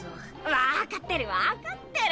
わかってるわかってる！